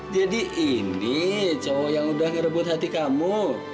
jadi ini cowok yang udah ngerebut hati kamu